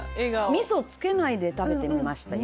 味噌をつけないで食べてみました今。